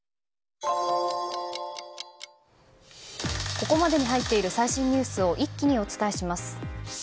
ここまでに入っている最新ニュースを一気にお伝えします。